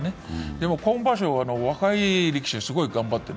でも今場所は、若い力士がすごい頑張ってる。